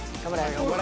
頑張れ。